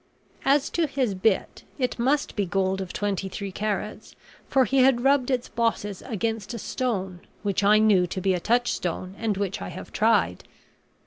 As to his bit, it must be gold of twenty three carats, for he had rubbed its bosses against a stone which I knew to be a touchstone, and which I have tried.